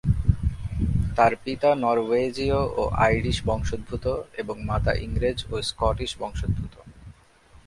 তার পিতা নরওয়েজীয় ও আইরিশ বংশোদ্ভূত এবং মাতা ইংরেজ ও স্কটিশ বংশোদ্ভূত।